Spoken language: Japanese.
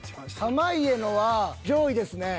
濱家のは上位ですね。